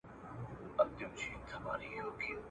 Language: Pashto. یو ټبر یو ټوله تور ټوله کارګان یو